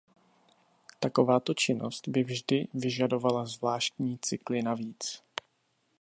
Takováto činnost by vždy vyžadovala zvláštní cykly navíc.